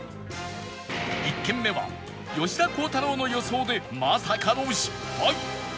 １軒目は吉田鋼太郎の予想でまさかの失敗